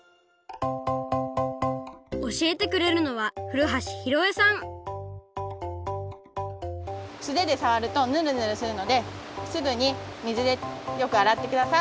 おしえてくれるのはすででさわるとヌルヌルするのですぐに水でよくあらってください。